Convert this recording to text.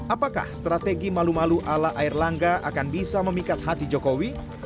apakah strategi malu malu ala air langga akan bisa memikat hati jokowi